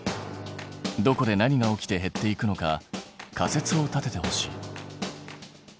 どこで何が起きて減っていくのか仮説を立ててほしい。